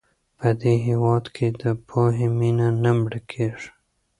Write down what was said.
په دې هېواد کې د پوهې مینه نه مړه کېږي.